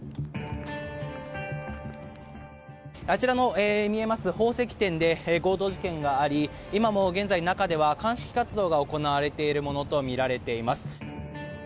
あちらの見えます宝石店で、強盗事件があり、今も現在、中では鑑識活動が行われているものと見られています。